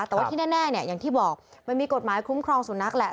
แต่ว่าที่แน่เนี่ยอย่างที่บอกมันมีกฎหมายคุ้มครองสุนัขแหละ